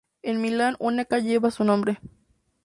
En Milán una calle lleva su nombre.